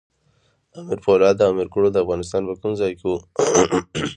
امیر پولاد او امیر کروړ د افغانستان په کوم ځای کې وو؟